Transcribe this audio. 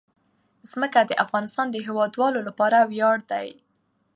ځمکه د افغانستان د هیوادوالو لپاره ویاړ دی.